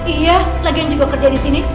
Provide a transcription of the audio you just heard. iya lagi yang juga kerja di sini